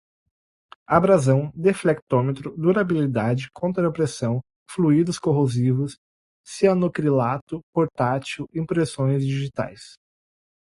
abrasão, deflectômetro, durabilidade, contrapressão, fluídos corrosivos, cianocrilato portátil, impressões digitais